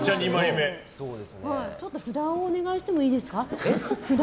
札をお願いしていいですか。